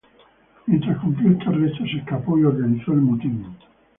Mientras cumplía este arresto se escapó y organizó el motín.